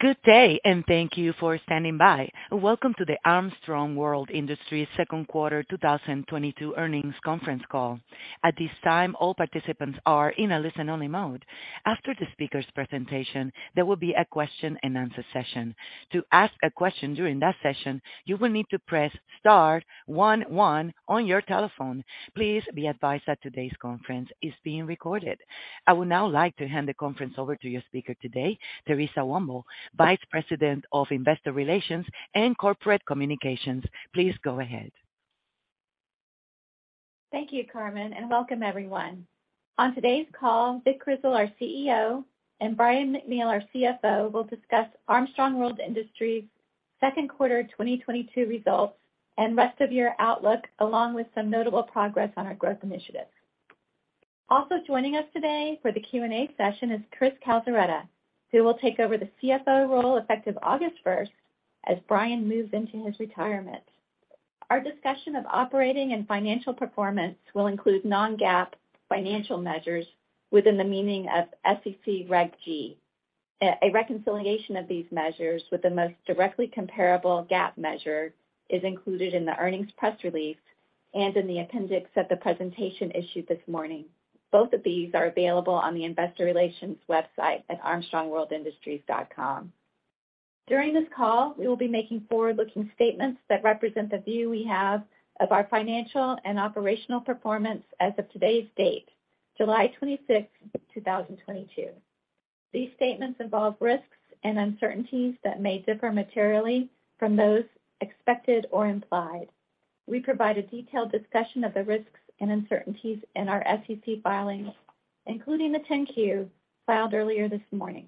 Good day, and thank you for standing by. Welcome to the Armstrong World Industries second quarter 2022 earnings conference call. At this time, all participants are in a listen-only mode. After the speaker's presentation, there will be a question-and-answer session. To ask a question during that session, you will need to press star one one on your telephone. Please be advised that today's conference is being recorded. I would now like to hand the conference over to your speaker today, Theresa Womble, Vice President of Investor Relations and Corporate Communications. Please go ahead. Thank you, Carmen, and welcome everyone. On today's call, Vic Grizzle, our CEO, and Brian MacNeal, our CFO, will discuss Armstrong World Industries' second quarter 2022 results and rest of year outlook, along with some notable progress on our growth initiatives. Also joining us today for the Q&A session is Chris Calzaretta, who will take over the CFO role effective August 1 as Brian moves into his retirement. Our discussion of operating and financial performance will include non-GAAP financial measures within the meaning of SEC Reg G. A reconciliation of these measures with the most directly comparable GAAP measure is included in the earnings press release and in the appendix of the presentation issued this morning. Both of these are available on the investor relations website at armstrongworldindustries.com. During this call, we will be making forward-looking statements that represent the view we have of our financial and operational performance as of today's date, July 26, 2022. These statements involve risks and uncertainties that may differ materially from those expected or implied. We provide a detailed discussion of the risks and uncertainties in our SEC filings, including the 10-Q filed earlier this morning.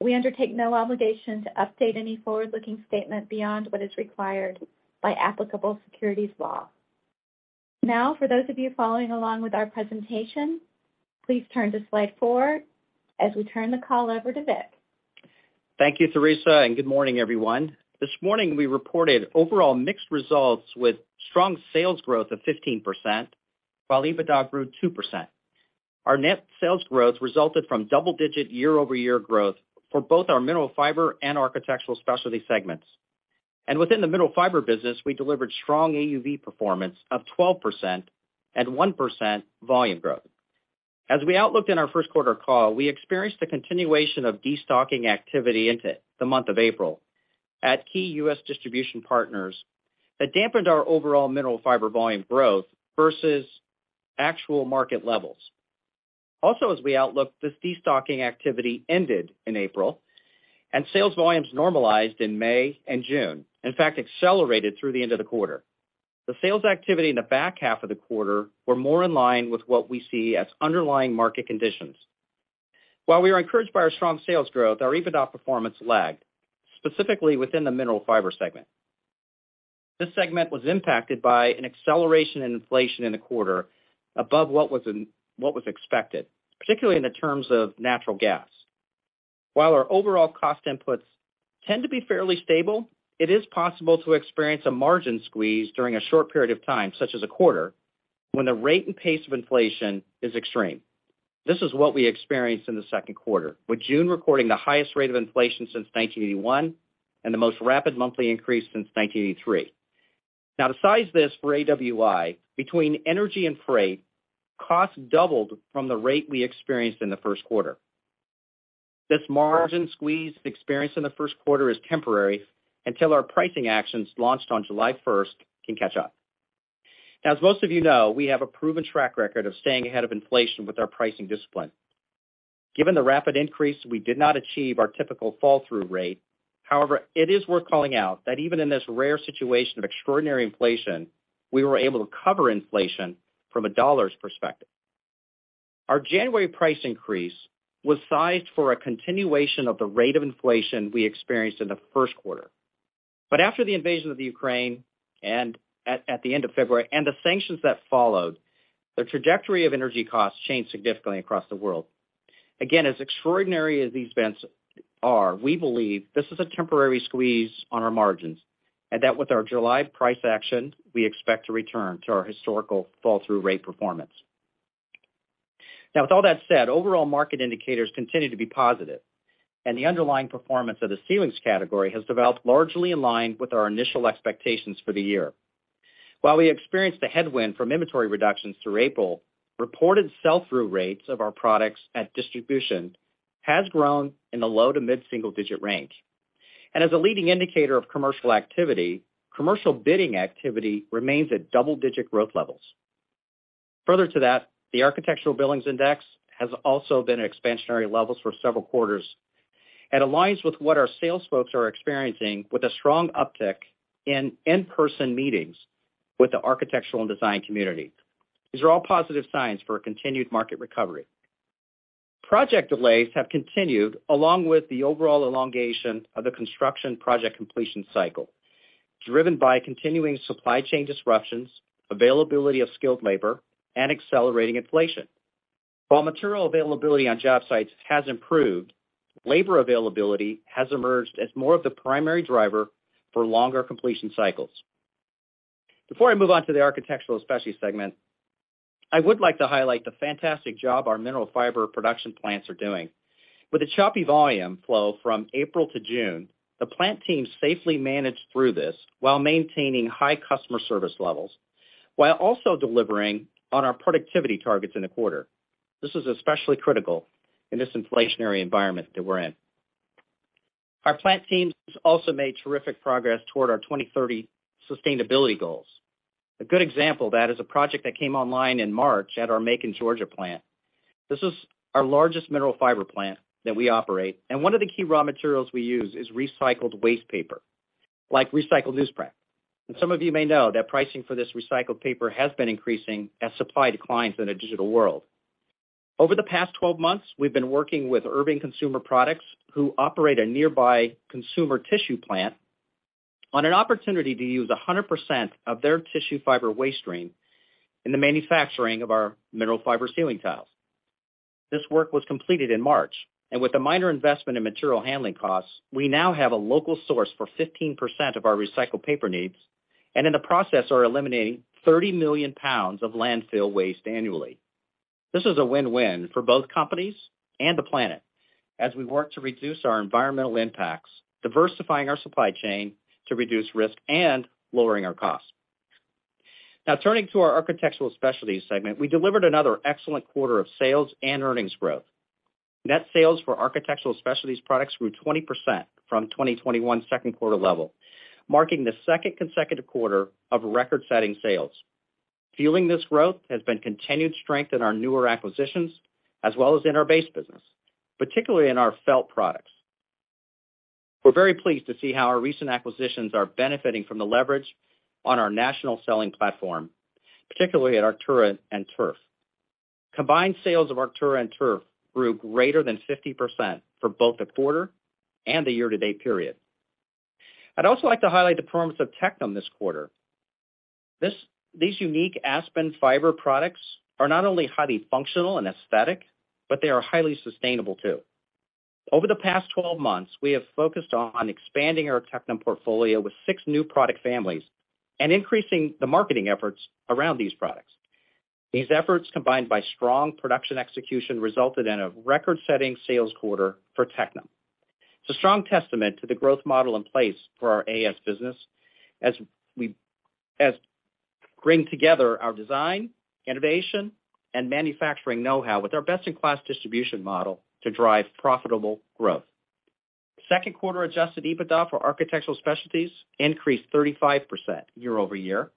We undertake no obligation to update any forward-looking statement beyond what is required by applicable securities law. Now, for those of you following along with our presentation, please turn to slide four as we turn the call over to Vic. Thank you, Theresa, and good morning, everyone. This morning, we reported overall mixed results with strong sales growth of 15%, while EBITDA grew 2%. Our net sales growth resulted from double-digit year-over-year growth for both our Mineral Fiber and Architectural Specialties segments. Within the mineral fiber business, we delivered strong AUV performance of 12% and 1% volume growth. As we outlooked in our first quarter call, we experienced the continuation of destocking activity into the month of April at key U.S. distribution partners, that dampened our overall mineral fiber volume growth versus actual market levels. Also, as we outlook, this destocking activity ended in April, and sales volumes normalized in May and June, in fact accelerated through the end of the quarter. The sales activity in the back half of the quarter were more in line with what we see as underlying market conditions. While we are encouraged by our strong sales growth, our EBITDA performance lagged, specifically within the Mineral Fiber segment. This segment was impacted by an acceleration in inflation in the quarter above what was expected, particularly in terms of natural gas. While our overall cost inputs tend to be fairly stable, it is possible to experience a margin squeeze during a short period of time, such as a quarter, when the rate and pace of inflation is extreme. This is what we experienced in the second quarter, with June recording the highest rate of inflation since 1981 and the most rapid monthly increase since 1983. Now, to size this for AWI, between energy and freight, costs doubled from the rate we experienced in the first quarter. This margin squeeze experience in the first quarter is temporary until our pricing actions launched on July first can catch up. Now, as most of you know, we have a proven track record of staying ahead of inflation with our pricing discipline. Given the rapid increase, we did not achieve our typical fall-through rate. However, it is worth calling out that even in this rare situation of extraordinary inflation, we were able to cover inflation from a dollars perspective. Our January price increase was sized for a continuation of the rate of inflation we experienced in the first quarter. After the invasion of the Ukraine and at the end of February, and the sanctions that followed, the trajectory of energy costs changed significantly across the world. Again, as extraordinary as these events are, we believe this is a temporary squeeze on our margins, and that with our July price action, we expect to return to our historical fall-through rate performance. Now with all that said, overall market indicators continue to be positive, and the underlying performance of the ceilings category has developed largely in line with our initial expectations for the year. While we experienced a headwind from inventory reductions through April, reported sell-through rates of our products at distribution has grown in the low- to mid-single-digit range. As a leading indicator of commercial activity, commercial bidding activity remains at double-digit growth levels. Further to that, the architectural billings index has also been at expansionary levels for several quarters and aligns with what our sales folks are experiencing with a strong uptick in in-person meetings with the architectural and design community. These are all positive signs for a continued market recovery. Project delays have continued along with the overall elongation of the construction project completion cycle, driven by continuing supply chain disruptions, availability of skilled labor, and accelerating inflation. While material availability on job sites has improved, labor availability has emerged as more of the primary driver for longer completion cycles. Before I move on to the Architectural Specialties segment, I would like to highlight the fantastic job our Mineral Fiber production plants are doing. With the choppy volume flow from April to June, the plant team safely managed through this while maintaining high customer service levels, while also delivering on our productivity targets in the quarter. This is especially critical in this inflationary environment that we're in. Our plant teams also made terrific progress toward our 2030 sustainability goals. A good example of that is a project that came online in March at our Macon, Georgia plant. This is our largest Mineral Fiber plant that we operate, and one of the key raw materials we use is recycled waste paper, like recycled newsprint. Some of you may know that pricing for this recycled paper has been increasing as supply declines in a digital world. Over the past 12 months, we've been working with Irving Consumer Products, who operate a nearby consumer tissue plant, on an opportunity to use 100% of their tissue fiber waste stream in the manufacturing of our Mineral Fiber ceiling tiles. This work was completed in March, and with a minor investment in material handling costs, we now have a local source for 15% of our recycled paper needs, and in the process, are eliminating 30 million pounds of landfill waste annually. This is a win-win for both companies and the planet as we work to reduce our environmental impacts, diversifying our supply chain to reduce risk, and lowering our costs. Now turning to our Architectural Specialties segment. We delivered another excellent quarter of sales and earnings growth. Net sales for Architectural Specialties products grew 20% from 2021 second quarter level, marking the second consecutive quarter of record-setting sales. Fueling this growth has been continued strength in our newer acquisitions as well as in our base business, particularly in our felt products. We're very pleased to see how our recent acquisitions are benefiting from the leverage on our national selling platform, particularly at Arktura and Turf. Combined sales of Arktura and Turf grew greater than 50% for both the quarter and the year to date period. I'd also like to highlight the performance of Tectum this quarter. These unique aspen fiber products are not only highly functional and aesthetic, but they are highly sustainable too. Over the past 12 months, we have focused on expanding our Tectum portfolio with six new product families and increasing the marketing efforts around these products. These efforts, combined by strong production execution, resulted in a record-setting sales quarter for Tectum. It's a strong testament to the growth model in place for our AS business as we bring together our design, innovation, and manufacturing know-how with our best-in-class distribution model to drive profitable growth. Second quarter adjusted EBITDA for Architectural Specialties increased 35% year-over-year,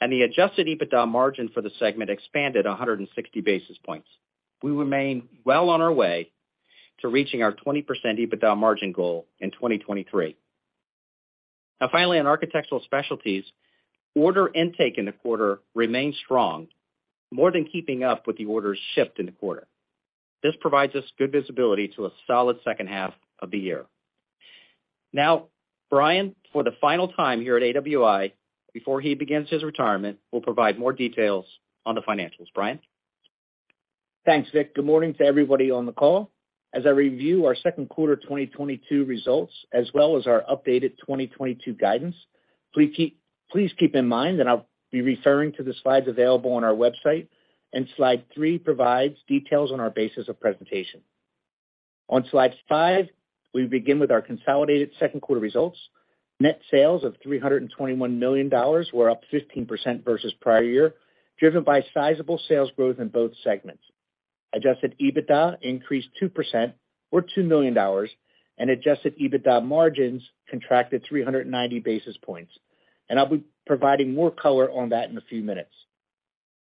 and the adjusted EBITDA margin for the segment expanded 160 basis points. We remain well on our way to reaching our 20% EBITDA margin goal in 2023. Now finally, in Architectural Specialties, order intake in the quarter remained strong, more than keeping up with the orders shipped in the quarter. This provides us good visibility to a solid second half of the year. Now, Brian, for the final time here at AWI, before he begins his retirement, will provide more details on the financials. Brian? Thanks, Vic. Good morning to everybody on the call. As I review our second quarter 2022 results, as well as our updated 2022 guidance, please keep in mind that I'll be referring to the slides available on our website, and slide three provides details on our basis of presentation. On slide five, we begin with our consolidated second quarter results. Net sales of $321 million were up 15% versus prior year, driven by sizable sales growth in both segments. Adjusted EBITDA increased 2% or $2 million, and adjusted EBITDA margins contracted 390 basis points. I'll be providing more color on that in a few minutes.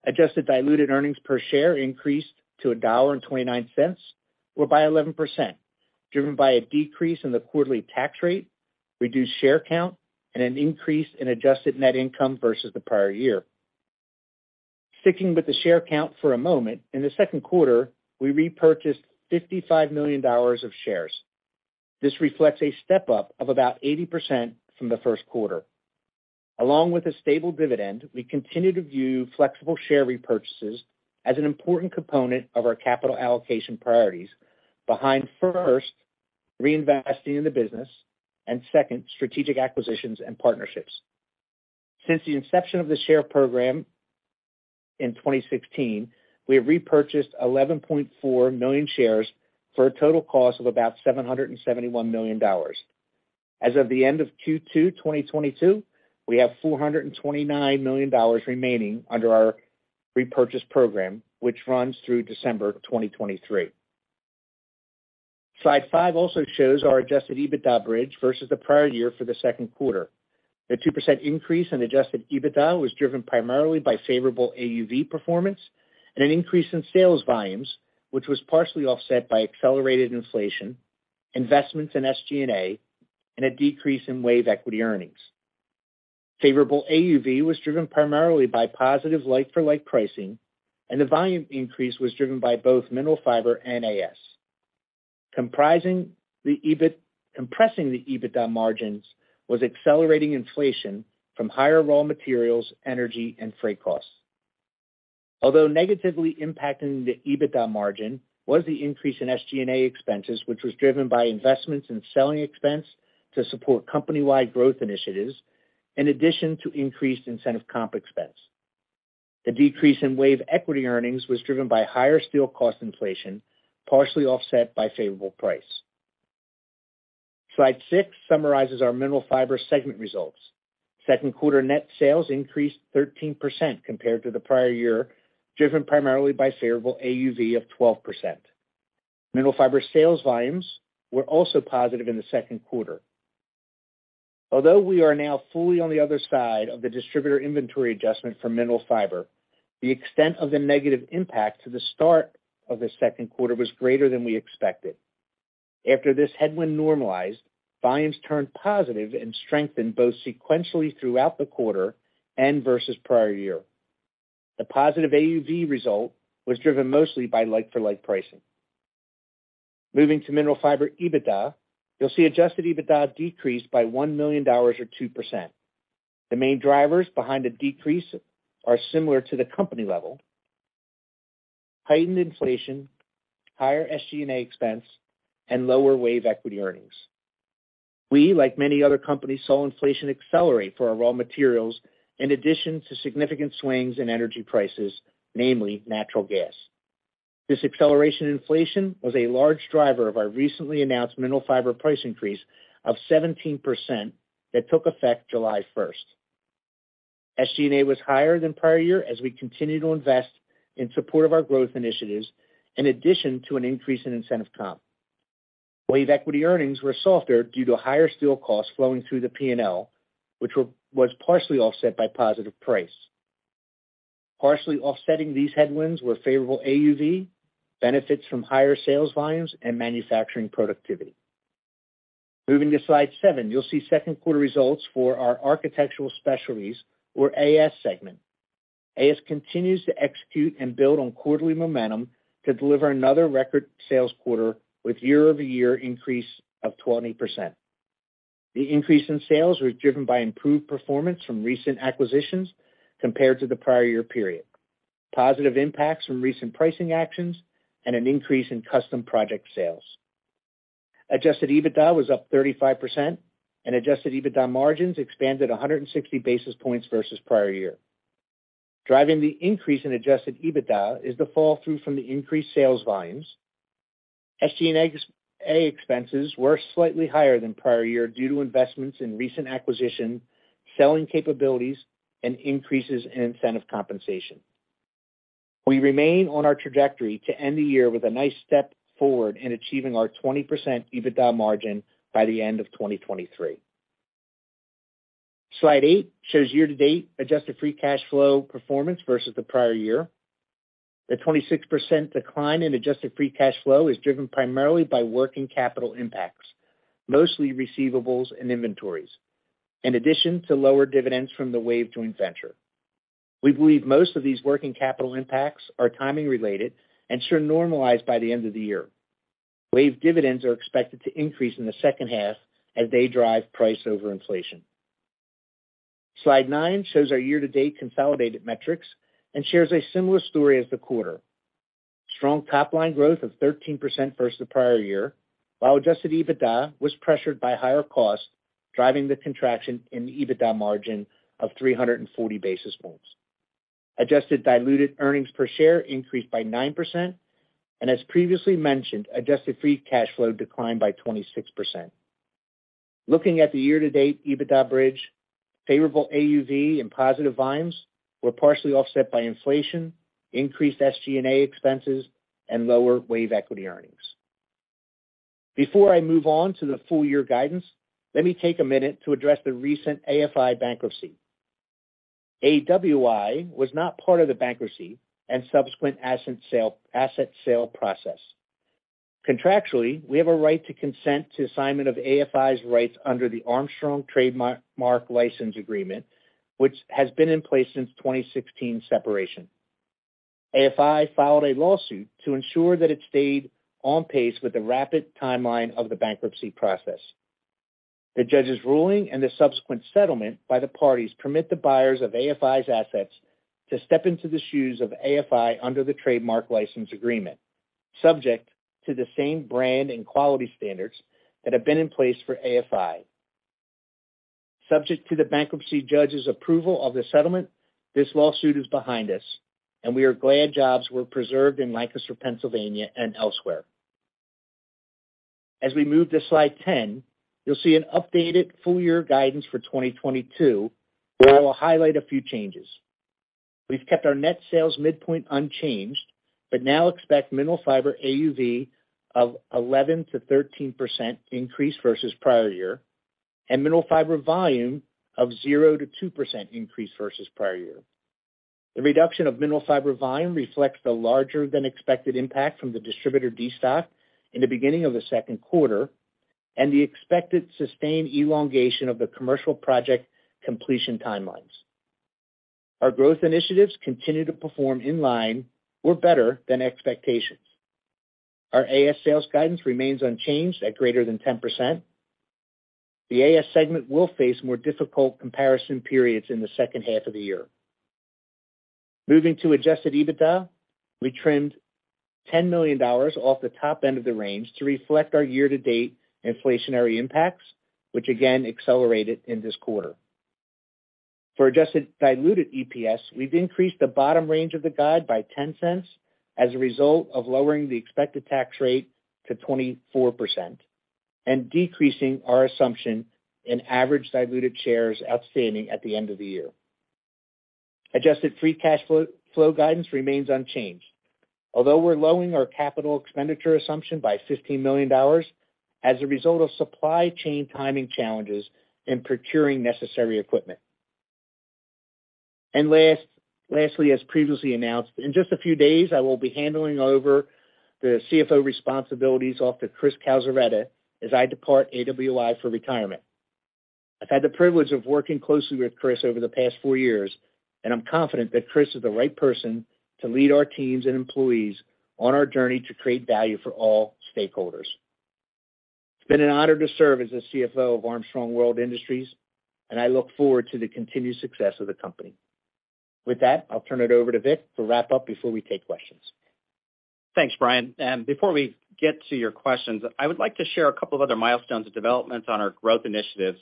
Adjusted diluted earnings per share increased to $1.29, or by 11%, driven by a decrease in the quarterly tax rate, reduced share count, and an increase in adjusted net income versus the prior year. Sticking with the share count for a moment, in the second quarter, we repurchased $55 million of shares. This reflects a step-up of about 80% from the first quarter. Along with a stable dividend, we continue to view flexible share repurchases as an important component of our capital allocation priorities behind, first, reinvesting in the business, and second, strategic acquisitions and partnerships. Since the inception of the share program in 2016, we have repurchased 11.4 million shares for a total cost of about $771 million. As of the end of Q2 2022, we have $429 million remaining under our repurchase program, which runs through December 2023. Slide five also shows our adjusted EBITDA bridge versus the prior year for the second quarter. The 2% increase in adjusted EBITDA was driven primarily by favorable AUV performance and an increase in sales volumes, which was partially offset by accelerated inflation, investments in SG&A, and a decrease in WAVE equity earnings. Favorable AUV was driven primarily by positive like-for-like pricing, and the volume increase was driven by both Mineral Fiber and AS. Compressing the EBITDA margins was accelerating inflation from higher raw materials, energy, and freight costs. Although negatively impacting the EBITDA margin was the increase in SG&A expenses, which was driven by investments in selling expense to support company-wide growth initiatives, in addition to increased incentive comp expense. The decrease in WAVE equity earnings was driven by higher steel cost inflation, partially offset by favorable price. Slide six summarizes our Mineral Fiber segment results. Second quarter net sales increased 13% compared to the prior year, driven primarily by favorable AUV of 12%. Mineral Fiber sales volumes were also positive in the second quarter. Although we are now fully on the other side of the distributor inventory adjustment for Mineral Fiber, the extent of the negative impact to the start of the second quarter was greater than we expected. After this headwind normalized, volumes turned positive and strengthened both sequentially throughout the quarter and versus prior year. The positive AUV result was driven mostly by like-for-like pricing. Moving to Mineral Fiber EBITDA, you'll see adjusted EBITDA decreased by $1 million or 2%. The main drivers behind the decrease are similar to the company level: heightened inflation, higher SG&A expense, and lower WAVE equity earnings. We, like many other companies, saw inflation accelerate for our raw materials, in addition to significant swings in energy prices, namely natural gas. This accelerating inflation was a large driver of our recently announced Mineral Fiber price increase of 17% that took effect July 1. SG&A was higher than prior year as we continue to invest in support of our growth initiatives, in addition to an increase in incentive comp. WAVE equity earnings were softer due to higher steel costs flowing through the P&L, which was partially offset by positive price. Partially offsetting these headwinds were favorable AUV, benefits from higher sales volumes, and manufacturing productivity. Moving to slide seven, you'll see second quarter results for our Architectural Specialties, or AS, segment. AS continues to execute and build on quarterly momentum to deliver another record sales quarter with year-over-year increase of 20%. The increase in sales was driven by improved performance from recent acquisitions compared to the prior year period, positive impacts from recent pricing actions, and an increase in custom project sales. Adjusted EBITDA was up 35%, and adjusted EBITDA margins expanded 160 basis points versus prior year. Driving the increase in adjusted EBITDA is the flow-through from the increased sales volumes. SG&A ex-A expenses were slightly higher than prior year due to investments in recent acquisition, selling capabilities, and increases in incentive compensation. We remain on our trajectory to end the year with a nice step forward in achieving our 20% EBITDA margin by the end of 2023. Slide eight shows year-to-date adjusted free cash flow performance versus the prior year. The 26% decline in adjusted free cash flow is driven primarily by working capital impacts, mostly receivables and inventories, in addition to lower dividends from the WAVE joint venture. We believe most of these working capital impacts are timing related and should normalize by the end of the year. WAVE dividends are expected to increase in the second half as they drive price over inflation. Slide nine shows our year-to-date consolidated metrics and shares a similar story as the quarter. Strong top line growth of 13% versus the prior year, while adjusted EBITDA was pressured by higher costs, driving the contraction in the EBITDA margin of three hundred and forty basis points. Adjusted diluted earnings per share increased by 9% and as previously mentioned adjusted free cash flow declined by 26%. Looking at the year-to-date EBITDA bridge, favorable AUV and positive volumes were partially offset by inflation, increased SG&A expenses, and lower WAVE equity earnings. Before I move on to the full year guidance, let me take a minute to address the recent AFI bankruptcy. AWI was not part of the bankruptcy and subsequent asset sale process. Contractually, we have a right to consent to assignment of AFI's rights under the Armstrong Trademark License Agreement, which has been in place since 2016 separation. AFI filed a lawsuit to ensure that it stayed on pace with the rapid timeline of the bankruptcy process. The judge's ruling and the subsequent settlement by the parties permit the buyers of AFI's assets to step into the shoes of AFI under the Trademark License Agreement, subject to the same brand and quality standards that have been in place for AFI. Subject to the bankruptcy judge's approval of the settlement, this lawsuit is behind us, and we are glad jobs were preserved in Lancaster, Pennsylvania and elsewhere. As we move to slide 10, you'll see an updated full year guidance for 2022, where I will highlight a few changes. We've kept our net sales midpoint unchanged, but now expect Mineral Fiber AUV of 11%-13% increase versus prior year, and Mineral Fiber volume of 0%-2% increase versus prior year. The reduction of Mineral Fiber volume reflects the larger than expected impact from the distributor destock in the beginning of the second quarter, and the expected sustained elongation of the commercial project completion timelines. Our growth initiatives continue to perform in line or better than expectations. Our AS sales guidance remains unchanged at greater than 10%. The AS segment will face more difficult comparison periods in the second half of the year. Moving to adjusted EBITDA, we trimmed $10 million off the top end of the range to reflect our year-to-date inflationary impacts, which again accelerated in this quarter. For adjusted diluted EPS, we've increased the bottom range of the guide by $0.10 as a result of lowering the expected tax rate to 24% and decreasing our assumption in average diluted shares outstanding at the end of the year. Adjusted free cash flow guidance remains unchanged. Although we're lowering our capital expenditure assumption by $15 million as a result of supply chain timing challenges in procuring necessary equipment. Lastly, as previously announced, in just a few days, I will be handing over the CFO responsibilities over to Chris Calzaretta as I depart AWI for retirement. I've had the privilege of working closely with Chris over the past four years, and I'm confident that Chris is the right person to lead our teams and employees on our journey to create value for all stakeholders. It's been an honor to serve as the CFO of Armstrong World Industries, and I look forward to the continued success of the company. With that, I'll turn it over to Vic to wrap up before we take questions. Thanks, Brian. Before we get to your questions, I would like to share a couple of other milestones and developments on our growth initiatives.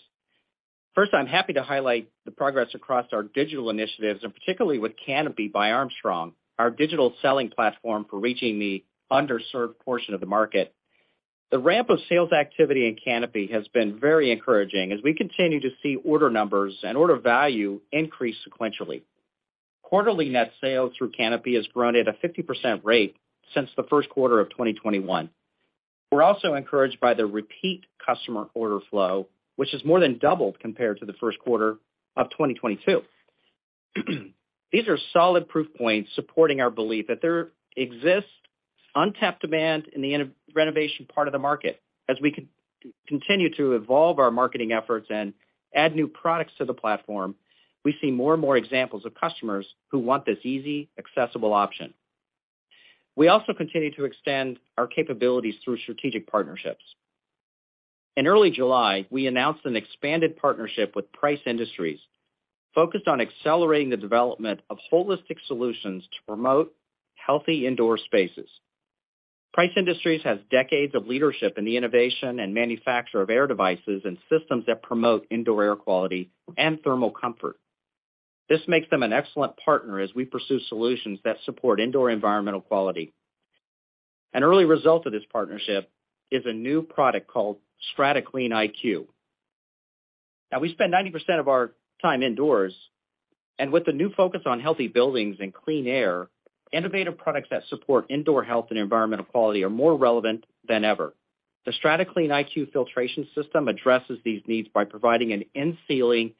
First, I'm happy to highlight the progress across our digital initiatives, and particularly with Kanopi by Armstrong, our digital selling platform for reaching the underserved portion of the market. The ramp of sales activity in Kanopi has been very encouraging as we continue to see order numbers and order value increase sequentially. Quarterly net sales through Kanopi has grown at a 50% rate since the first quarter of 2021. We're also encouraged by the repeat customer order flow, which has more than doubled compared to the first quarter of 2022. These are solid proof points supporting our belief that there exists untapped demand in the in-renovation part of the market. As we continue to evolve our marketing efforts and add new products to the platform, we see more and more examples of customers who want this easy, accessible option. We also continue to extend our capabilities through strategic partnerships. In early July, we announced an expanded partnership with Price Industries, focused on accelerating the development of holistic solutions to promote healthy indoor spaces. Price Industries has decades of leadership in the innovation and manufacture of air devices and systems that promote indoor air quality and thermal comfort. This makes them an excellent partner as we pursue solutions that support indoor environmental quality. An early result of this partnership is a new product called StrataClean IQ. Now we spend 90% of our time indoors, and with the new focus on healthy buildings and clean air, innovative products that support indoor health and environmental quality are more relevant than ever. The StrataClean IQ filtration system addresses these needs by providing an in-ceiling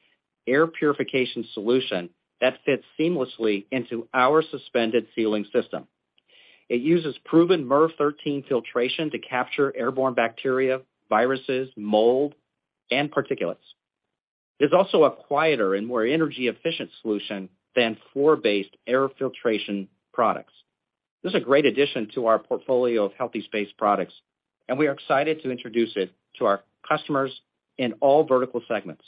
air purification solution that fits seamlessly into our suspended ceiling system. It uses proven MERV 13 filtration to capture airborne bacteria, viruses, mold, and particulates. It's also a quieter and more energy-efficient solution than floor-based air filtration products. This is a great addition to our portfolio of healthy space products, and we are excited to introduce it to our customers in all vertical segments.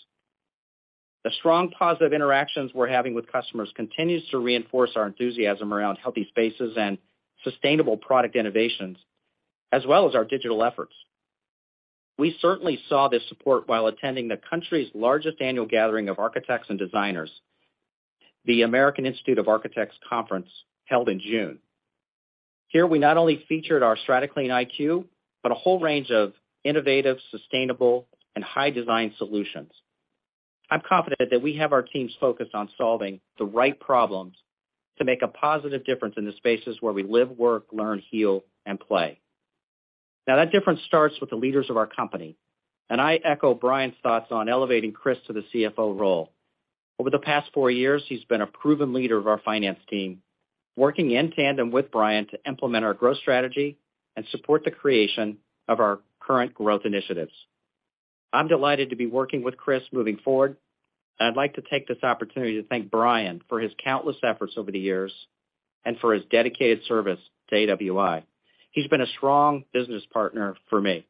The strong positive interactions we're having with customers continues to reinforce our enthusiasm around healthy spaces and sustainable product innovations, as well as our digital efforts. We certainly saw this support while attending the country's largest annual gathering of architects and designers, the American Institute of Architects Conference held in June. Here, we not only featured our StrataClean IQ, but a whole range of innovative, sustainable and high design solutions. I'm confident that we have our teams focused on solving the right problems to make a positive difference in the spaces where we live, work, learn, heal, and play. Now, that difference starts with the leaders of our company, and I echo Brian's thoughts on elevating Chris to the CFO role. Over the past four years, he's been a proven leader of our finance team, working in tandem with Brian to implement our growth strategy and support the creation of our current growth initiatives. I'm delighted to be working with Chris moving forward, and I'd like to take this opportunity to thank Brian for his countless efforts over the years and for his dedicated service to AWI. He's been a strong business partner for me.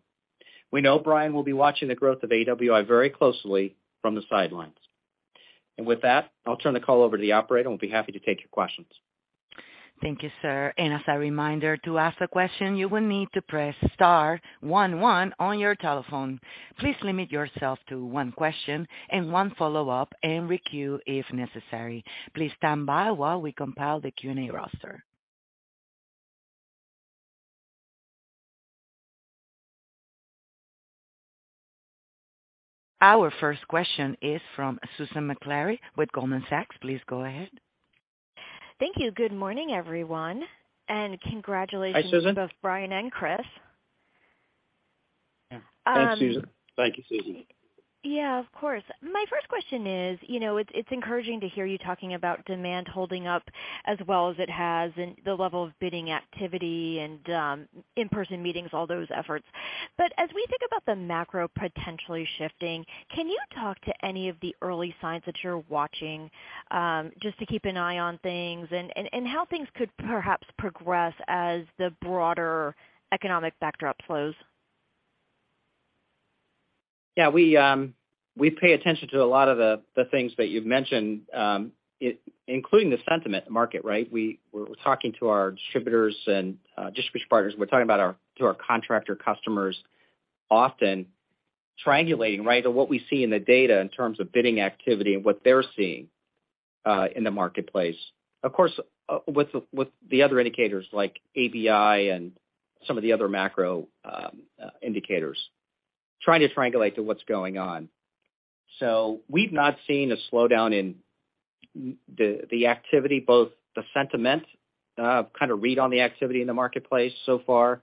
We know Brian will be watching the growth of AWI very closely from the sidelines. With that, I'll turn the call over to the operator, and we'll be happy to take your questions. Thank you, sir. As a reminder, to ask a question, you will need to press star one one on your telephone. Please limit yourself to one question and one follow-up and requeue if necessary. Please stand by while we compile the Q&A roster. Our first question is from Susan Maklari with Goldman Sachs. Please go ahead. Thank you. Good morning, everyone, and congratulations. Hi, Susan. Congrats to both Brian and Chris. Thanks, Susan. Thank you, Susan. Yeah, of course. My first question is, you know, it's encouraging to hear you talking about demand holding up as well as it has and the level of bidding activity and in-person meetings, all those efforts. As we think about the macro potentially shifting, can you talk to any of the early signs that you're watching, just to keep an eye on things and how things could perhaps progress as the broader economic backdrop slows? Yeah, we pay attention to a lot of the things that you've mentioned, including the sentiment market, right? We're talking to our distributors and distribution partners. We're talking to our contractor customers, often triangulating, right, on what we see in the data in terms of bidding activity and what they're seeing in the marketplace. Of course, with the other indicators like ABI and some of the other macro indicators, trying to triangulate to what's going on. We've not seen a slowdown in the activity, both the sentiment kind of read on the activity in the marketplace so far.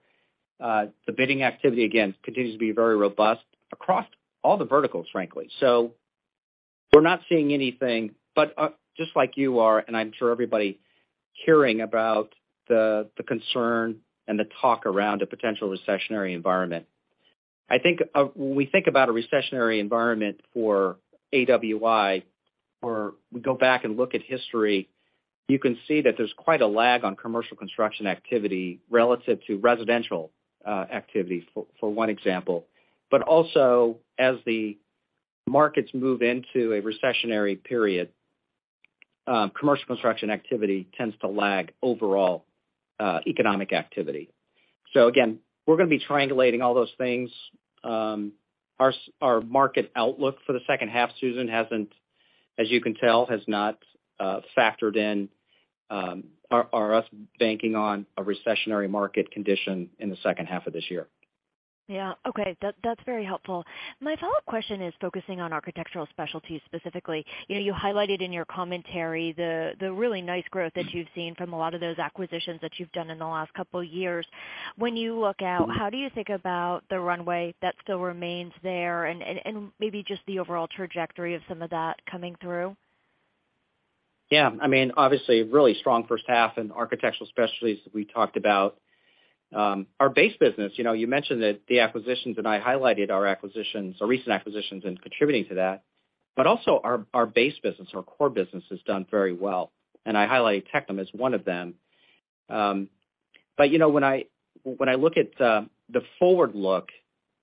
The bidding activity, again, continues to be very robust across all the verticals, frankly. We're not seeing anything, but just like you are, and I'm sure everybody hearing about the concern and the talk around a potential recessionary environment. I think when we think about a recessionary environment for AWI, or we go back and look at history, you can see that there's quite a lag on commercial construction activity relative to residential activity, for one example. As the markets move into a recessionary period, commercial construction activity tends to lag overall economic activity. Again, we're gonna be triangulating all those things. Our market outlook for the second half, Susan, hasn't, as you can tell, has not factored in our us betting on a recessionary market condition in the second half of this year. Yeah. Okay. That's very helpful. My follow-up question is focusing on Architectural Specialties specifically. You know, you highlighted in your commentary the really nice growth that you've seen from a lot of those acquisitions that you've done in the last couple years. When you look out, how do you think about the runway that still remains there and maybe just the overall trajectory of some of that coming through? Yeah, I mean, obviously really strong first half in Architectural Specialties, we talked about. Our base business, you know, you mentioned that the acquisitions, and I highlighted our acquisitions, our recent acquisitions in contributing to that. Also our base business, our core business has done very well, and I highlighted Tectum as one of them. You know, when I look at the forward look,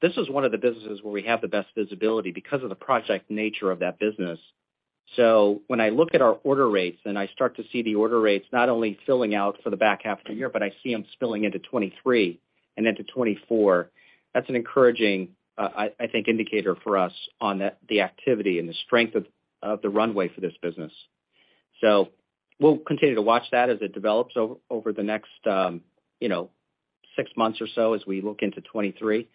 this is one of the businesses where we have the best visibility because of the project nature of that business. When I look at our order rates and I start to see the order rates not only filling out for the back half of the year, but I see them spilling into 2023 and into 2024, that's an encouraging, I think, indicator for us on the activity and the strength of the runway for this business. We'll continue to watch that as it develops over the next, you know, six months or so as we look into 2023.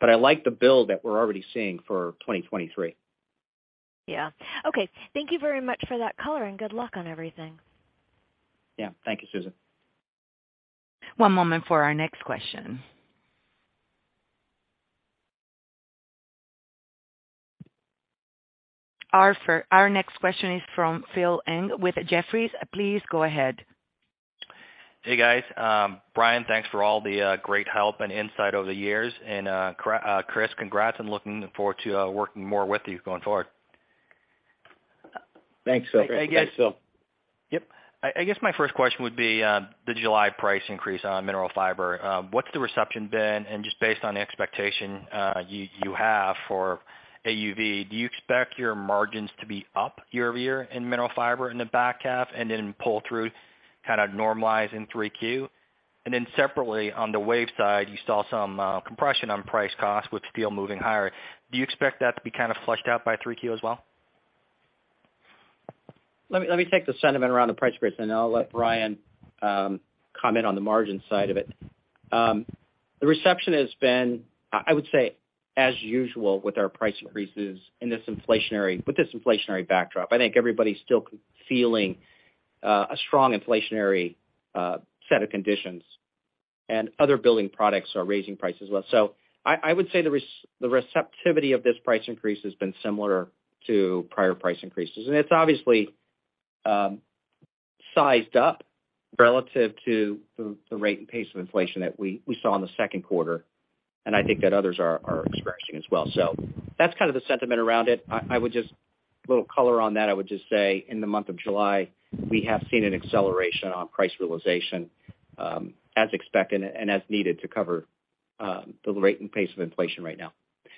I like the build that we're already seeing for 2023. Yeah. Okay. Thank you very much for that color and good luck on everything. Yeah. Thank you, Susan. One moment for our next question. Our next question is from Phil Ng with Jefferies. Please go ahead. Hey, guys. Brian, thanks for all the great help and insight over the years. Chris, congrats and looking forward to working more with you going forward. Thanks, Phil. I guess. Thanks, Phil. Yep. I guess my first question would be, the July price increase on Mineral Fiber. What's the reception been? Just based on the expectation you have for AUV, do you expect your margins to be up year-over-year in Mineral Fiber in the back half and then pull through kind of normalize in 3Q? Separately, on the wave side, you saw some compression on price-cost with steel moving higher. Do you expect that to be kind of flushed out by 3Q as well? Let me take the sentiment around the price increase, and I'll let Brian comment on the margin side of it. The reception has been, I would say, as usual with our price increases in this inflationary backdrop. I think everybody's still feeling a strong inflationary set of conditions, and other building products are raising prices less. I would say the receptivity of this price increase has been similar to prior price increases. It's obviously sized up relative to the rate and pace of inflation that we saw in the second quarter, and I think that others are expressing as well. That's kind of the sentiment around it. I would just add a little color on that. I would just say in the month of July we have seen an acceleration on price realization as expected and as needed to cover the rate and pace of inflation right now.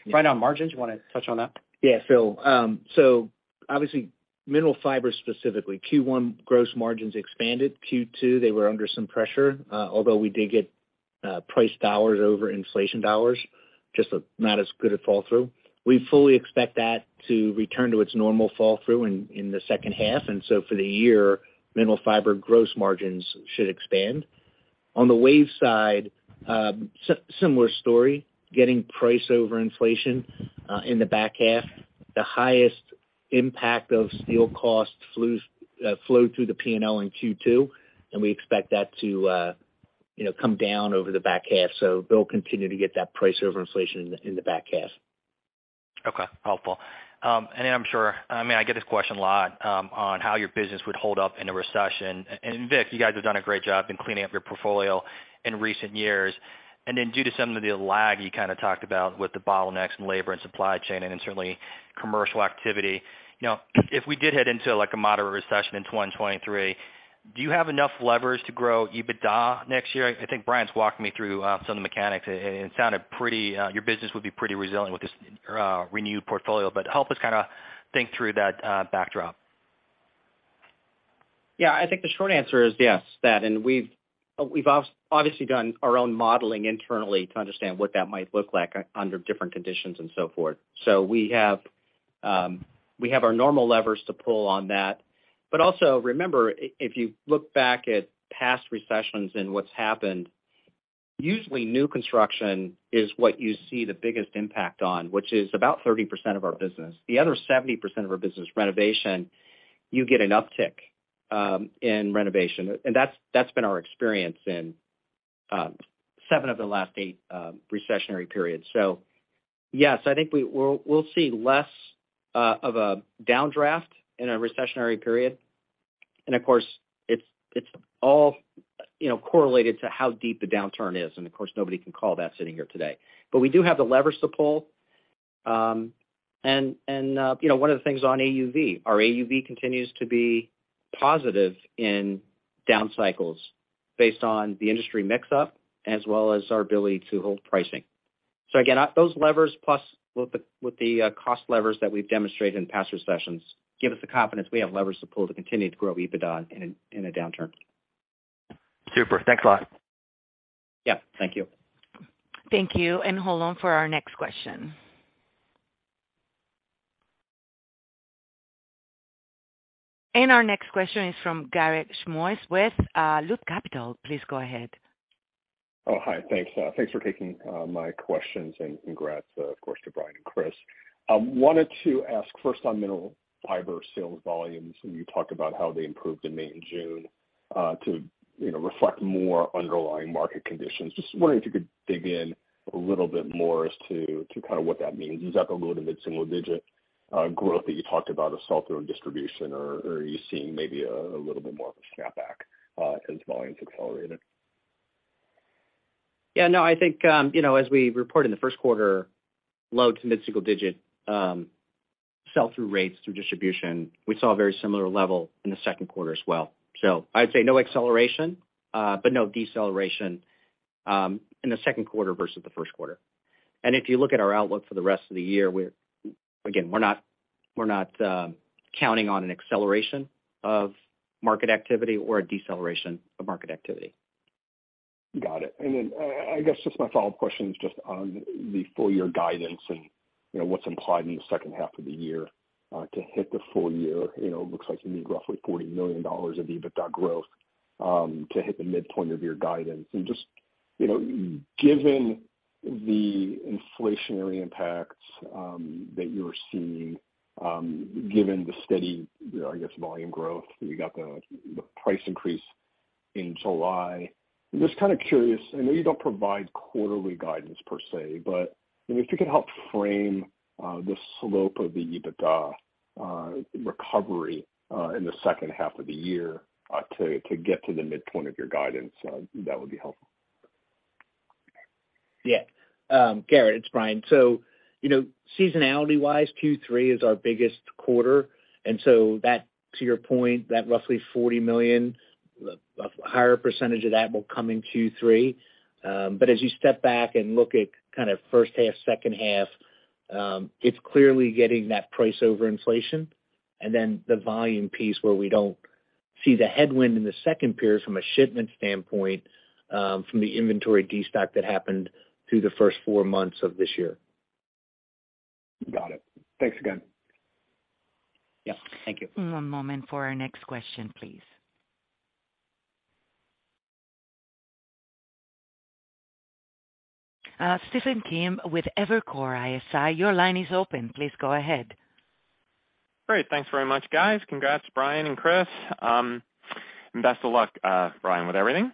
Brian, on margins, you wanna touch on that? Yeah. Phil, obviously Mineral Fiber specifically, Q1 gross margins expanded. Q2, they were under some pressure, although we did get price dollars over inflation dollars, just not as good a fall through. We fully expect that to return to its normal fall through in the second half. For the year, Mineral Fiber gross margins should expand. On the WAVE side, similar story, getting price over inflation in the back half. The highest impact of steel costs flowed through the P&L in Q2, and we expect that to come down over the back half. They'll continue to get that price over inflation in the back half. Okay. Helpful. I'm sure, I mean, I get this question a lot, on how your business would hold up in a recession. Vic, you guys have done a great job in cleaning up your portfolio in recent years. Then due to some of the lag you kinda talked about with the bottlenecks in labor and supply chain and then certainly commercial activity, you know, if we did head into like a moderate recession in 2023. Do you have enough levers to grow EBITDA next year? I think Brian's walked me through, some of the mechanics and it sounded pretty, your business would be pretty resilient with this renewed portfolio. Help us kinda think through that, backdrop. Yeah. I think the short answer is yes, that. We've obviously done our own modeling internally to understand what that might look like under different conditions and so forth. We have our normal levers to pull on that. Also, remember, if you look back at past recessions and what's happened, usually new construction is what you see the biggest impact on, which is about 30% of our business. The other 70% of our business, renovation, you get an uptick in renovation. That's been our experience in seven of the last eight recessionary periods. Yes, I think we'll see less of a downdraft in a recessionary period. Of course, it's all, you know, correlated to how deep the downturn is, and of course, nobody can call that sitting here today. We do have the levers to pull. You know, one of the things on AUV, our AUV continues to be positive in down cycles based on the industry mix up as well as our ability to hold pricing. Again, those levers plus with the cost levers that we've demonstrated in past recessions give us the confidence we have levers to pull to continue to grow EBITDA in a downturn. Super. Thanks a lot. Yeah. Thank you. Thank you. Hold on for our next question. Our next question is from Garik Shmois with Loop Capital. Please go ahead. Oh, hi. Thanks. Thanks for taking my questions, and congrats, of course, to Brian and Chris. Wanted to ask first on Mineral Fiber sales volumes, and you talked about how they improved in May and June to, you know, reflect more underlying market conditions. Just wondering if you could dig in a little bit more as to kind of what that means. Is that the low- to mid-single-digit growth that you talked about of sell-through and distribution, or are you seeing maybe a little bit more of a snapback since volumes accelerated? Yeah, no, I think, you know, as we reported in the first quarter, low- to mid-single-digit% sell-through rates through distribution. We saw a very similar level in the second quarter as well. I'd say no acceleration, but no deceleration, in the second quarter versus the first quarter. If you look at our outlook for the rest of the year, we're again not counting on an acceleration of market activity or a deceleration of market activity. Got it. I guess just my follow-up question is just on the full year guidance and, you know, what's implied in the second half of the year, to hit the full year. You know, it looks like you need roughly $40 million of EBITDA growth to hit the midpoint of your guidance. Just, you know, given the inflationary impacts that you're seeing, given the steady, I guess, volume growth, you got the price increase in July. I'm just kinda curious, I know you don't provide quarterly guidance per se, but, I mean, if you could help frame the slope of the EBITDA recovery in the second half of the year, to get to the midpoint of your guidance, that would be helpful. Yeah. Garik, it's Brian. You know, seasonality-wise, Q3 is our biggest quarter, and that, to your point, that roughly $40 million, a higher percentage of that will come in Q3. But as you step back and look at kind of first half, second half, it's clearly getting that price over inflation and then the volume piece where we don't see the headwind in the second period from a shipment standpoint, from the inventory destock that happened through the first four months of this year. Got it. Thanks again. Yeah. Thank you. One moment for our next question, please. Stephen Kim with Evercore ISI, your line is open. Please go ahead. Great. Thanks very much, guys. Congrats, Brian and Chris. Best of luck, Brian, with everything.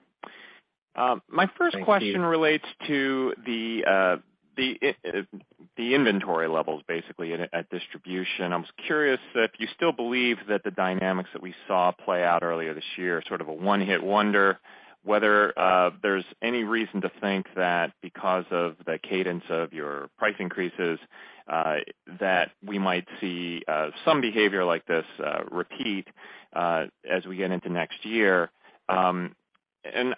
Thank you. My first question relates to the inventory levels basically at distribution. I was curious if you still believe that the dynamics that we saw play out earlier this year are sort of a one-hit wonder, whether there's any reason to think that because of the cadence of your price increases that we might see some behavior like this repeat as we get into next year.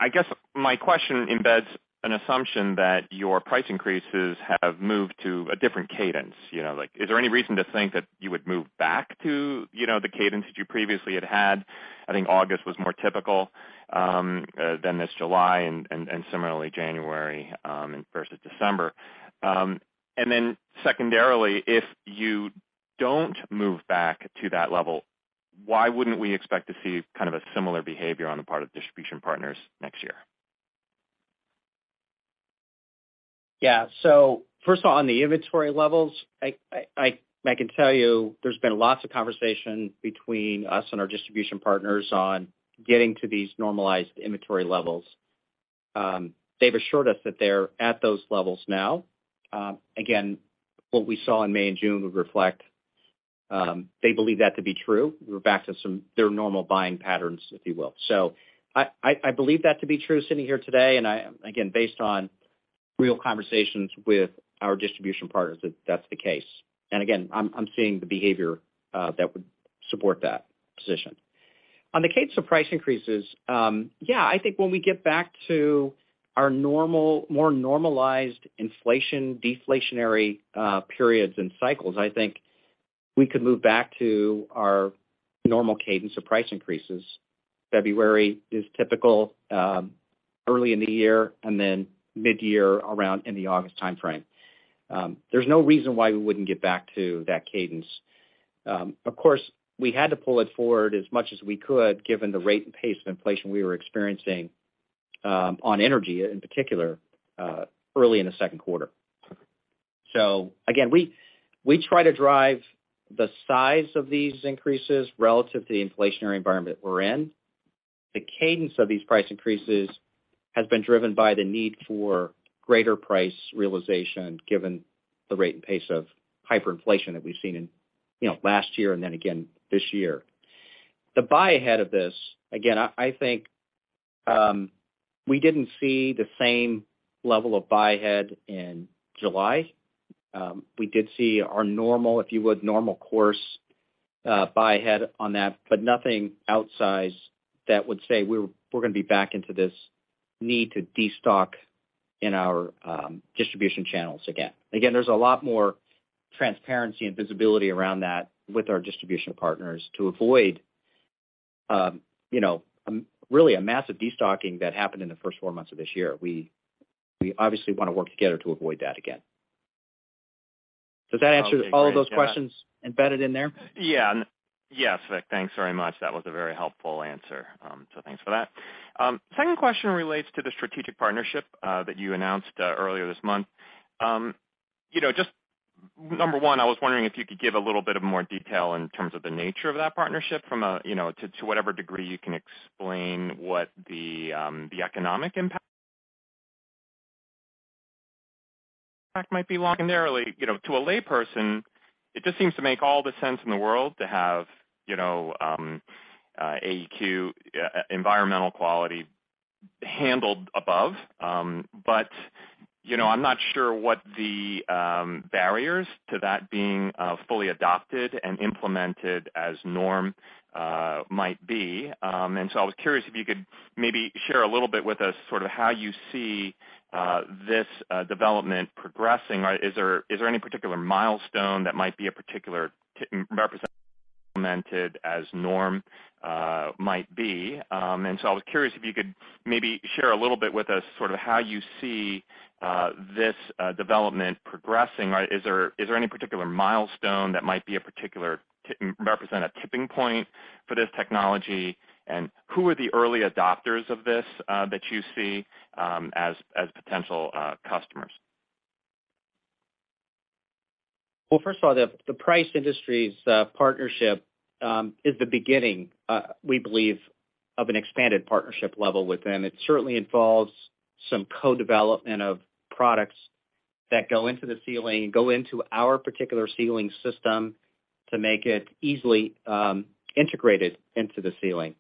I guess my question embeds an assumption that your price increases have moved to a different cadence. You know, like, is there any reason to think that you would move back to, you know, the cadence that you previously had had? I think August was more typical than this July and similarly January and versus December. Secondarily, if you don't move back to that level, why wouldn't we expect to see kind of a similar behavior on the part of distribution partners next year? Yeah. First of all, on the inventory levels, I can tell you there's been lots of conversation between us and our distribution partners on getting to these normalized inventory levels. They've assured us that they're at those levels now. Again, what we saw in May and June would reflect, they believe that to be true. We're back to their normal buying patterns, if you will. I believe that to be true sitting here today, and I again, based on real conversations with our distribution partners that that's the case. Again, I'm seeing the behavior that would support that position. On the cadence of price increases, yeah, I think when we get back to more normalized inflation, deflationary periods and cycles, I think we could move back to our normal cadence of price increases. February is typical early in the year and then mid-year around in the August timeframe. There's no reason why we wouldn't get back to that cadence. Of course, we had to pull it forward as much as we could, given the rate and pace of inflation we were experiencing on energy, in particular, early in the second quarter. Again, we try to drive the size of these increases relative to the inflationary environment we're in. The cadence of these price increases has been driven by the need for greater price realization, given the rate and pace of hyperinflation that we've seen in, you know, last year and then again this year. The buy ahead of this, again, I think, we didn't see the same level of buy ahead in July. We did see our normal, if you would, normal course buy ahead on that, but nothing outsized that would say we're gonna be back into this need to destock in our distribution channels again. Again, there's a lot more transparency and visibility around that with our distribution partners to avoid, you know, really a massive destocking that happened in the first four months of this year. We obviously wanna work together to avoid that again. Does that answer all of those questions embedded in there? Yeah. Yes. Thanks very much. That was a very helpful answer. Thanks for that. Second question relates to the strategic partnership that you announced earlier this month. You know, just number one, I was wondering if you could give a little bit of more detail in terms of the nature of that partnership from a, you know, to whatever degree you can explain what the economic impact might be secondarily. You know, to a layperson, it just seems to make all the sense in the world to have, you know, IEQ environmental quality handled above. You know, I'm not sure what the barriers to that being fully adopted and implemented as norm might be. I was curious if you could maybe share a little bit with us sort of how you see this development progressing. Is there any particular milestone that might represent a tipping point for this technology? Who are the early adopters of this that you see as potential customers? Well, first of all, the Price Industries partnership is the beginning, we believe, of an expanded partnership level with them. It certainly involves some co-development of products that go into the ceiling, go into our particular ceiling system to make it easily integrated into the ceiling.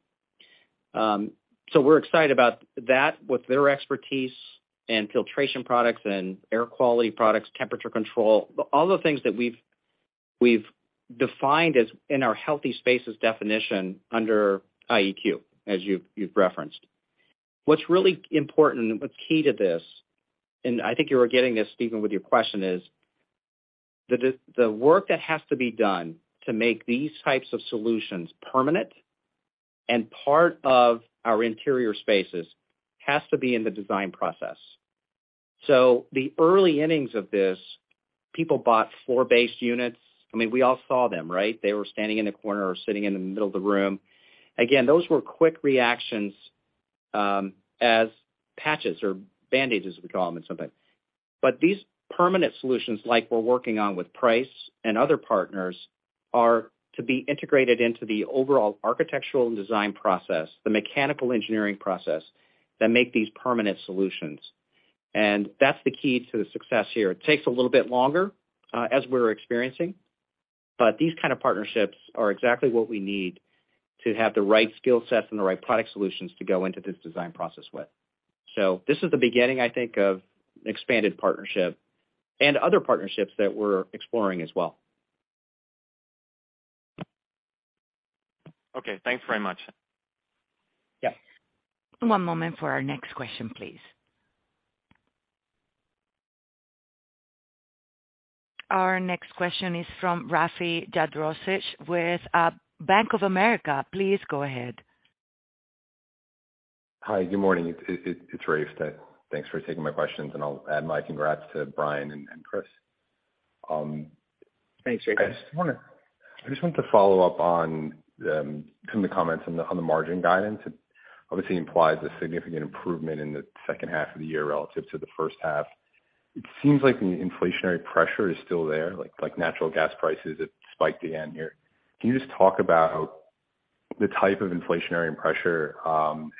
We're excited about that with their expertise and filtration products and air quality products, temperature control, all the things that we've defined as in our healthy spaces definition under IEQ, as you've referenced. What's really important, what's key to this, and I think you were getting this, Stephen, with your question is, the work that has to be done to make these types of solutions permanent and part of our interior spaces has to be in the design process. The early innings of this, people bought floor-based units. I mean, we all saw them, right? They were standing in the corner or sitting in the middle of the room. Again, those were quick reactions, as patches or bandages, we call them sometimes. These permanent solutions, like we're working on with Price and other partners, are to be integrated into the overall architectural and design process, the mechanical engineering process that make these permanent solutions. That's the key to the success here. It takes a little bit longer, as we're experiencing, but these kind of partnerships are exactly what we need to have the right skill sets and the right product solutions to go into this design process with. This is the beginning, I think, of expanded partnership and other partnerships that we're exploring as well. Okay, thanks very much. Yeah. One moment for our next question, please. Our next question is from Rafe Jadrosich with Bank of America. Please go ahead. Hi. Good morning. It's Rafe. Thanks for taking my questions, and I'll add my congrats to Brian and Chris. Thanks, Rafe. I just want to follow up on some of the comments on the margin guidance. It obviously implies a significant improvement in the second half of the year relative to the first half. It seems like the inflationary pressure is still there, like natural gas prices have spiked again here. Can you just talk about the type of inflationary pressure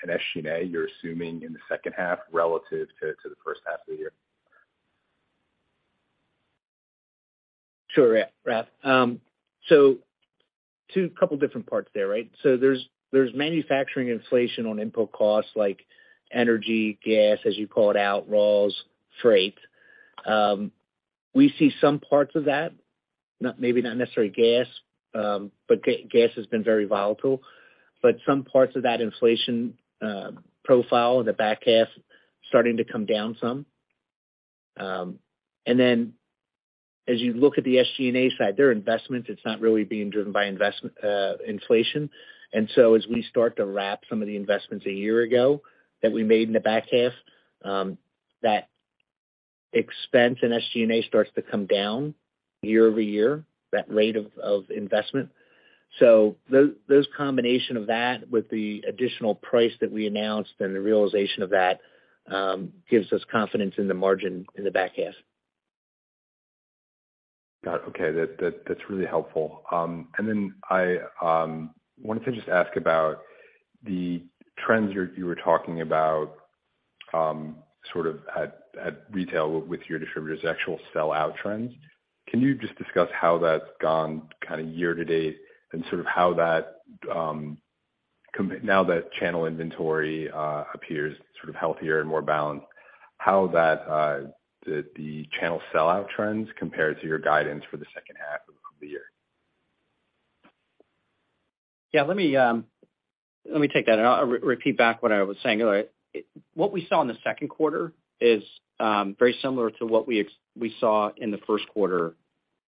in SG&A you're assuming in the second half relative to the first half of the year? Sure, Rafe. A couple different parts there, right? There's manufacturing inflation on input costs like energy, gas, as you call it, our raws, freight. We see some parts of that, maybe not necessarily gas, but gas has been very volatile. Some parts of that inflation profile in the back half starting to come down some. As you look at the SG&A side, they're investments. It's not really being driven by inflation. As we start to wrap some of the investments a year ago that we made in the back half, that expense in SG&A starts to come down year-over-year, that rate of investment. Those combination of that with the additional price that we announced and the realization of that gives us confidence in the margin in the back half. Got it. Okay. That's really helpful. I wanted to just ask about the trends you were talking about, sort of at retail with your distributors, actual sell-out trends. Can you just discuss how that's gone kinda year to date and sort of how that compares now that channel inventory appears sort of healthier and more balanced, how the channel sell-out trends compare to your guidance for the second half of the year? Yeah. Let me take that, and I'll repeat back what I was saying. What we saw in the second quarter is very similar to what we saw in the first quarter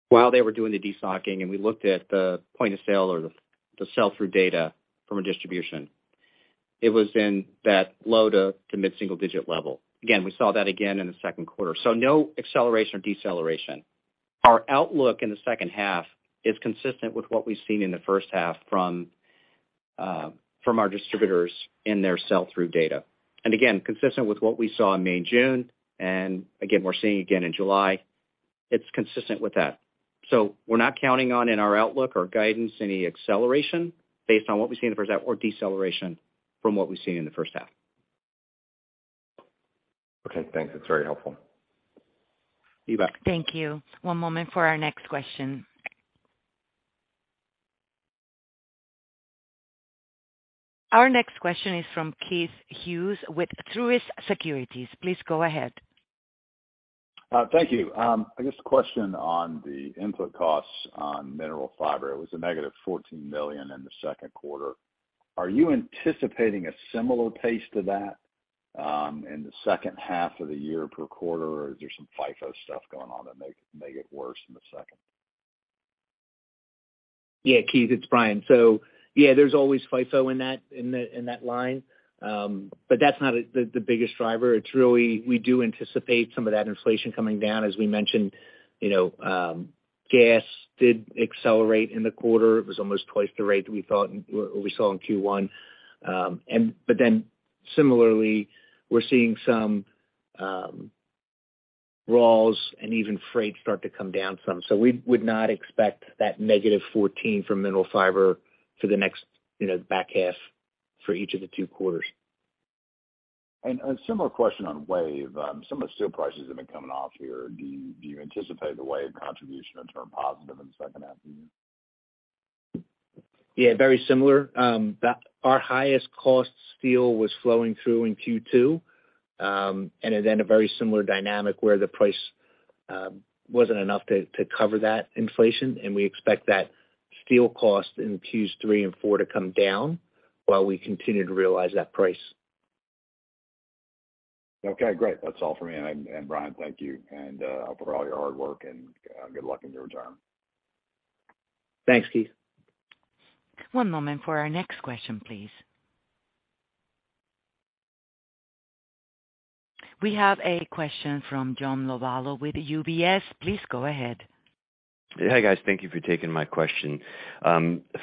while they were doing the de-stocking, and we looked at the point of sale or the sell-through data from distribution. It was in that low- to mid-single-digit% level. Again, we saw that again in the second quarter, so no acceleration or deceleration. Our outlook in the second half is consistent with what we've seen in the first half from our distributors in their sell-through data. Again, consistent with what we saw in May and June, and again, we're seeing again in July, it's consistent with that. We're not counting on in our outlook or guidance any acceleration based on what we've seen in the first half or deceleration from what we've seen in the first half. Okay, thanks. That's very helpful. You bet. Thank you. One moment for our next question. Our next question is from Keith Hughes with Truist Securities. Please go ahead. Thank you. I guess a question on the input costs on Mineral Fiber. It was a -$14 million in the second quarter. Are you anticipating a similar pace to that in the second half of the year per quarter, or is there some FIFO stuff going on that may get worse in the second? Yeah, Keith, it's Brian. Yeah, there's always FIFO in that line. That's not the biggest driver. It's really we do anticipate some of that inflation coming down. As we mentioned, you know, gas did accelerate in the quarter. It was almost twice the rate that we thought we saw in Q1. But then similarly, we're seeing some raws and even freight start to come down some. We would not expect that negative 14% from Mineral Fiber for the next, you know, back half for each of the two quarters. A similar question on WAVE. Some of the steel prices have been coming off here. Do you anticipate the WAVE contribution to turn positive in the second half of the year? Yeah, very similar. Our highest cost steel was flowing through in Q2. A very similar dynamic where the price wasn't enough to cover that inflation, and we expect that steel cost in Q3 and 4 to come down while we continue to realize that price. Okay, great. That's all for me. Brian, thank you and for all your hard work and good luck in your retirement. Thanks, Keith. One moment for our next question, please. We have a question from John Lovallo with UBS. Please go ahead. Hey, guys. Thank you for taking my question.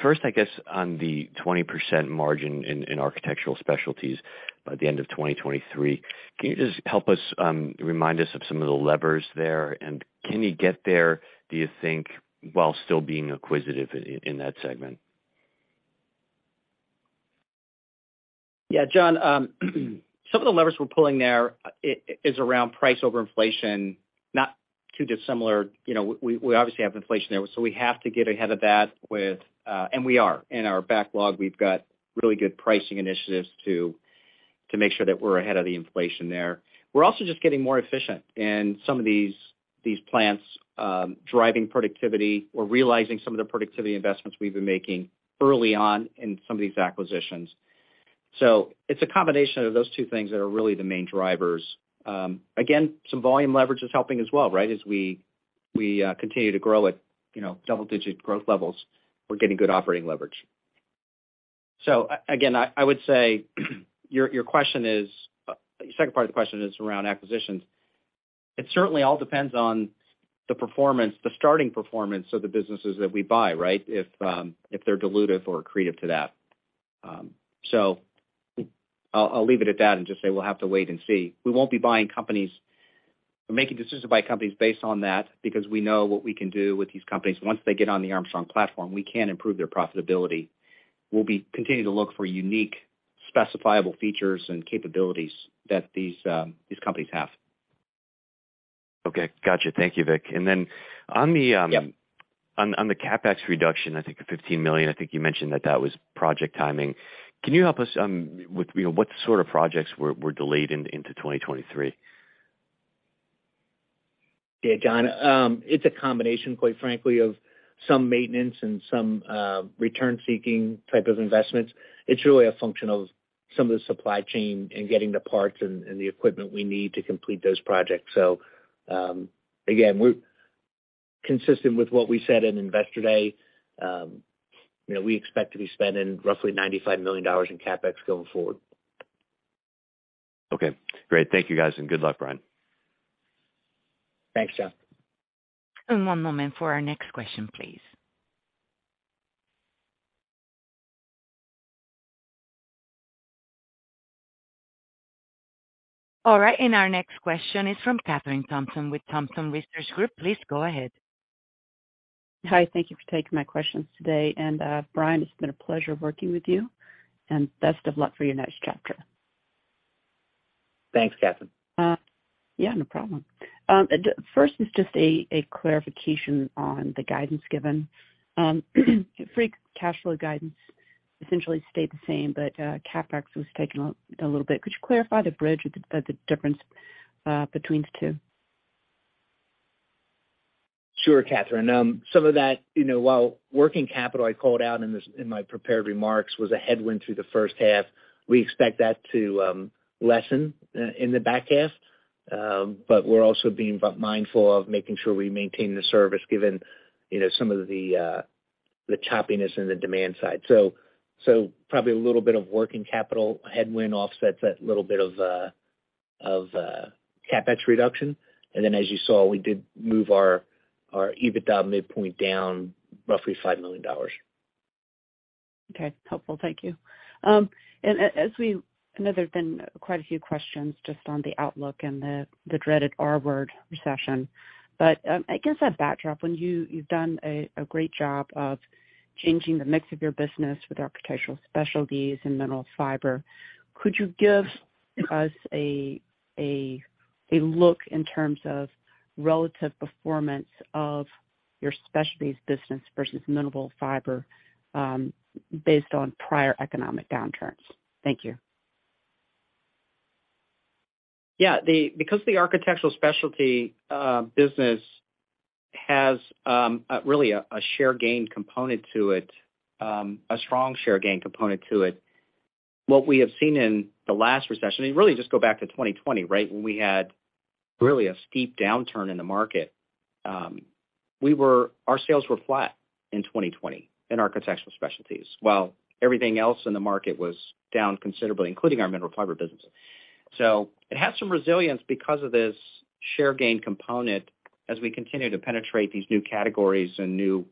First, I guess on the 20% margin in Architectural Specialties by the end of 2023, can you just help us remind us of some of the levers there? Can you get there, do you think, while still being acquisitive in that segment? Yeah, John, some of the levers we're pulling there is around price over inflation, not too dissimilar. You know, we obviously have inflation there, so we have to get ahead of that, and we are. In our backlog, we've got really good pricing initiatives to make sure that we're ahead of the inflation there. We're also just getting more efficient in some of these plants, driving productivity or realizing some of the productivity investments we've been making early on in some of these acquisitions. It's a combination of those two things that are really the main drivers. Again, some volume leverage is helping as well, right? As we continue to grow at, you know, double-digit growth levels, we're getting good operating leverage. I would say your question, the second part of the question, is around acquisitions. It certainly all depends on the performance, the starting performance of the businesses that we buy, right? If they're dilutive or accretive to that. I'll leave it at that and just say we'll have to wait and see. We won't be buying companies or making decisions to buy companies based on that, because we know what we can do with these companies. Once they get on the Armstrong platform, we can improve their profitability. We'll be continuing to look for unique specifiable features and capabilities that these companies have. Okay. Gotcha. Thank you, Vic. On the Yeah. On the CapEx reduction, I think the $15 million. I think you mentioned that was project timing. Can you help us with, you know, what sort of projects were delayed into 2023? Yeah, John. It's a combination, quite frankly, of some maintenance and some return-seeking type of investments. It's really a function of some of the supply chain and getting the parts and the equipment we need to complete those projects. Again, we're consistent with what we said in Investor Day. You know, we expect to be spending roughly $95 million in CapEx going forward. Okay, great. Thank you guys, and good luck, Brian. Thanks, John. One moment for our next question, please. All right, our next question is from Kathryn Thompson with Thompson Research Group. Please go ahead. Hi, thank you for taking my questions today. Brian, it's been a pleasure working with you, and best of luck for your next chapter. Thanks, Kathryn. Yeah, no problem. First is just a clarification on the guidance given. Free cash flow guidance essentially stayed the same, but CapEx was taken a little bit. Could you clarify the bridge or the difference between the two? Sure, Kathryn. Some of that, you know, while working capital I called out in this, in my prepared remarks, was a headwind through the first half, we expect that to lessen in the back half. But we're also being mindful of making sure we maintain the service given, you know, some of the choppiness in the demand side. So probably a little bit of working capital headwind offsets that little bit of CapEx reduction. Then as you saw, we did move our EBITDA midpoint down roughly $5 million. Okay. Helpful. Thank you. I know there have been quite a few questions just on the outlook and the dreaded R word, recession. I guess that backdrop, you've done a great job of changing the mix of your business with Architectural Specialties and Mineral Fiber. Could you give us a look in terms of relative performance of your Specialties business versus Mineral Fiber, based on prior economic downturns? Thank you. Yeah. Because the Architectural Specialties business has a really strong share gain component to it, what we have seen in the last recession, and really just go back to 2020, right? When we had really a steep downturn in the market, our sales were flat in 2020 in Architectural Specialties, while everything else in the market was down considerably, including our Mineral Fiber business. It has some resilience because of this share gain component as we continue to penetrate these new categories and new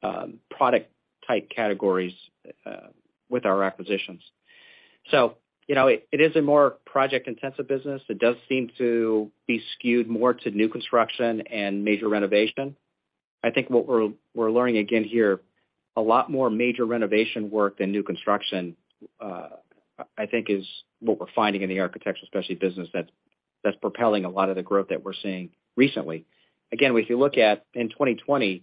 product type categories with our acquisitions. You know, it is a more project-intensive business. It does seem to be skewed more to new construction and major renovation. I think what we're learning again here, a lot more major renovation work than new construction, I think is what we're finding in the Architectural Specialties business that's propelling a lot of the growth that we're seeing recently. Again, if you look at in 2020,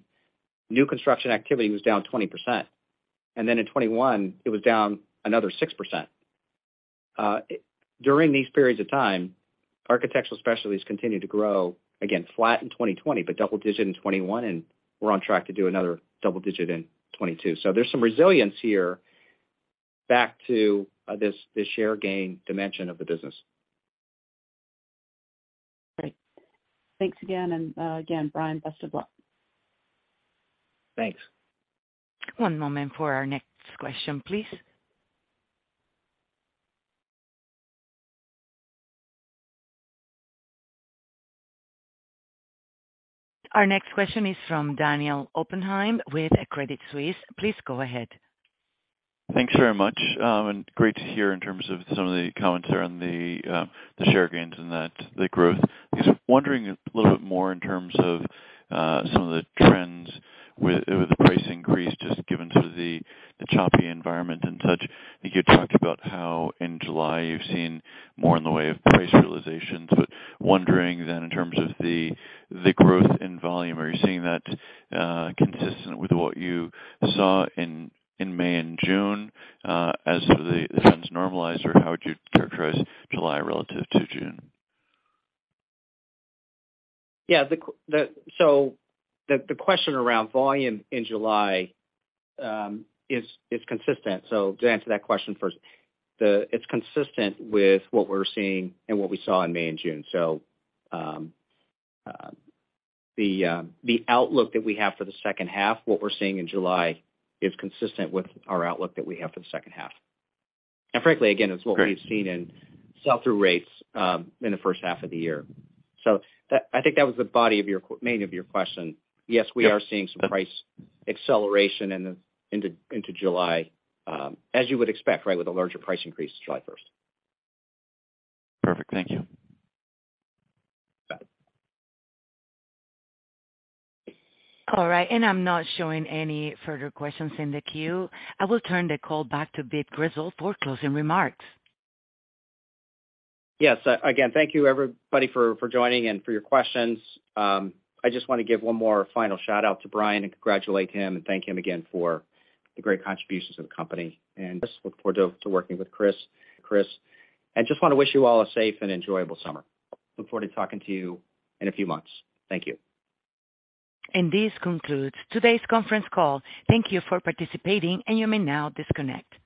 new construction activity was down 20%, and then in 2021, it was down another 6%. During these periods of time, Architectural Specialties continued to grow, again, flat in 2020, but double-digit in 2021, and we're on track to do another double-digit in 2022. There's some resilience here back to this share gain dimension of the business. Great. Thanks again, and, again, Brian, best of luck. Thanks. One moment for our next question, please. Our next question is from Daniel Oppenheim with Credit Suisse. Please go ahead. Thanks very much, and great to hear in terms of some of the comments around the share gains and that, the growth. Just wondering a little bit more in terms of some of the trends with the price increase, just given sort of the choppy environment and such. I think you talked about how in July you've seen more in the way of price realizations. Wondering then in terms of the growth in volume, are you seeing that consistent with what you saw in May and June as the trends normalize, or how would you characterize July relative to June? Yeah. The question around volume in July is consistent. To answer that question first, it's consistent with what we're seeing and what we saw in May and June. The outlook that we have for the second half, what we're seeing in July is consistent with our outlook that we have for the second half. Frankly again, it's what we've seen in sell-through rates in the first half of the year. That, I think, was the body of your main question. Yes, we are seeing some price acceleration into July, as you would expect, right, with a larger price increase July first. Perfect. Thank you. All right. I'm not showing any further questions in the queue. I will turn the call back to Vic Grizzle for closing remarks. Yes. Again, thank you everybody for joining and for your questions. I just wanna give one more final shout out to Brian and congratulate him and thank him again for the great contributions to the company. Just look forward to working with Chris. I just wanna wish you all a safe and enjoyable summer. Look forward to talking to you in a few months. Thank you. This concludes today's conference call. Thank you for participating, and you may now disconnect.